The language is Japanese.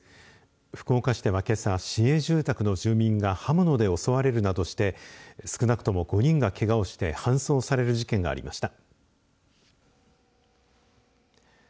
福岡市ではけさ、市営住宅の住民が刃物で襲われるなどして少なくとも５人がけがをして搬送される事件がありました。